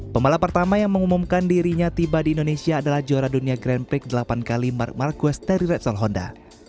pembalap pertama yang mengumumkan dirinya tiba di indonesia adalah juara dunia grand prix delapan kali mark marquez dari repsol honda